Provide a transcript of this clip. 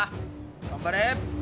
頑張れ！